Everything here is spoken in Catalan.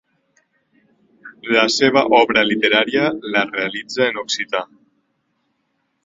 La seva obra literària la realitza en occità.